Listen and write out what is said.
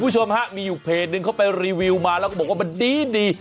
คุณผู้ชมฮะมีอยู่เพจนึงเขาไปรีวิวมาแล้วก็บอกว่ามันดี